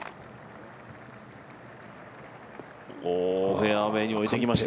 フェアウエーに置いてきました。